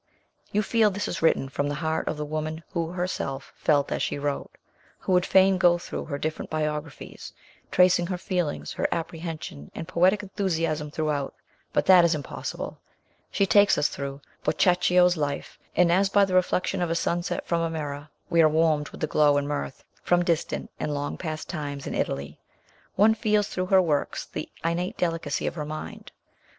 You feel this is written from the heart of the woman who herself felt as she wrote. We would fain go through her different biographies, tracing her feelings, her appreciation, and poetic enthusiasm throughout, but that is impossible. She takes us through Boccaccio's life, and, as by the reflection of a sunset from a mirror, we are warmed with the glow and mirth from distant and long past times in Italy. One feels through her works the innate delicacy of her mind.